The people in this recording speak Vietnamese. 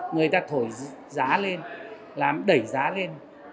người ta thổi giá lên làm đẩy giá lên